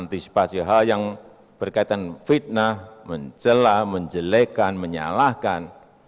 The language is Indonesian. antisipasi hal yang berkaitan fitnah mencelah menjelekan menyalahkan